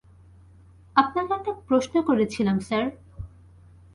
আপনাকে একটা প্রশ্ন করেছিলাম, স্যার!